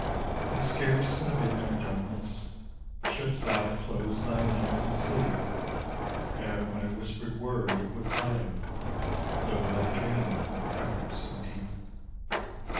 And scarce in the midnight darkness Shouldst thou close thine eyes in sleep, Ere my whispered word, it would follow, Though thy dream were ever so deep.